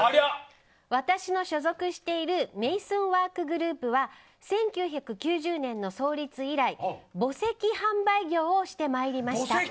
私の所属しているグループは１９９０年の創立以来墓石販売業をしてまいりました。